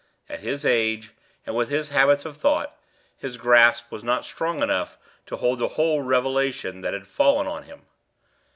At his age, and with his habits of thought, his grasp was not strong enough to hold the whole revelation that had fallen on him.